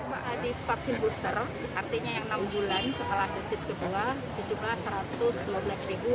pak adi vaksin booster artinya yang enam bulan setelah dosis kebola sejumlah satu ratus dua belas enam ratus delapan puluh sembilan